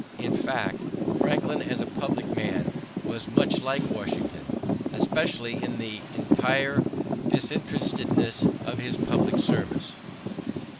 In fact, Franklin as a public man was much like Washington, especially in the entire disinterestedness of his public service.